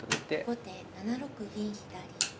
後手７六銀左。